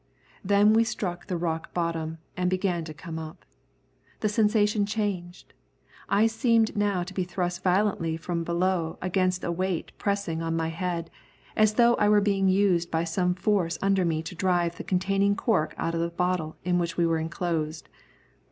Then we struck the rock bottom and began to come up. The sensation changed. I seemed now to be thrust violently from below against a weight pressing on my head, as though I were being used by some force under me to drive the containing cork out of the bottle in which we were enclosed.